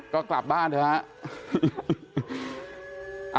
ก็กลับบ้านเถอะฮะ